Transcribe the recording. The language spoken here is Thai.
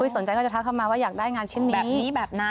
สนใจก็จะทักเข้ามาว่าอยากได้งานชิ้นนี้แบบนี้แบบนั้น